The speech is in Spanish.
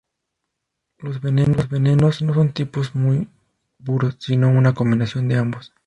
Los venenos no son tipos puros, sino una combinación de ambos.